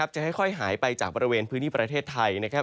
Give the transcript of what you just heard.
จะค่อยหายไปจากบริเวณพื้นที่ประเทศไทย